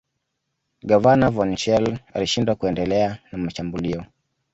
Gavana von Schele alishindwa kuendelea na mashambulio